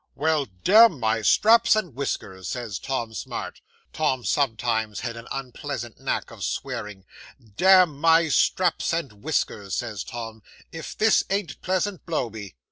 '"Well, damn my straps and whiskers," says Tom Smart (Tom sometimes had an unpleasant knack of swearing) "damn my straps and whiskers," says Tom, "if this ain't pleasant, blow me!"